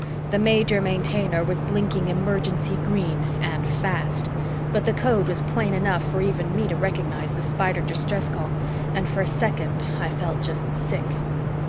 The Major Maintainer was blinking emergency green and fast, but the code was plain enough for even me to recognize the Spider distress call and for a second I felt just sick.